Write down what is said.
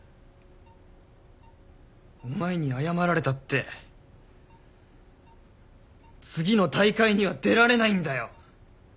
お前に謝られたって次の大会には出られないんだよ！